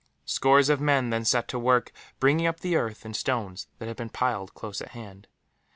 Scores of men then set to work, bringing up the earth and stones that had been piled close at hand.